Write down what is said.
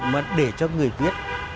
mà để cho người viết